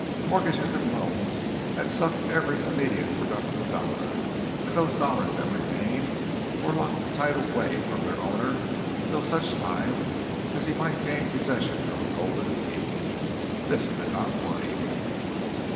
Mortgages and loans had sucked every immediately productive dollar; and those dollars that remained were locked tight away from their owner until such time as he might gain possession of a golden key. This did not worry him.